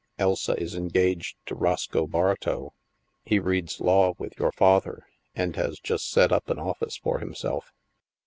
Elsa is engaged to Roscoe Bartow. He read law with your father, and has just set up an office for himself."